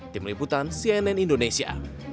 tim liputan cnn indonesia